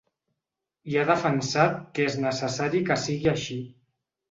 I ha defensat que és necessari que sigui així.